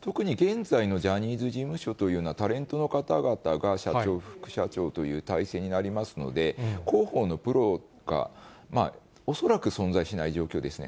特に現在のジャニーズ事務所というのは、タレントの方々が社長、副社長という体制になりますので、広報のプロが恐らく存在しない状況ですね。